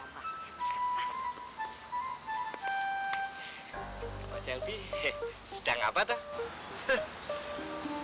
pak selby sedang apa toh